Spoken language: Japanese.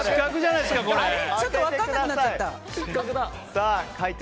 ちょっと分かんなくなっちゃった。